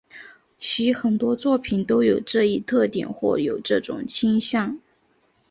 其很多作品都有这一特点或有这种倾向。